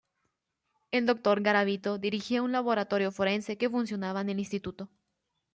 El Dr. Garavito dirigía un laboratorio forense que funcionaba en el Instituto.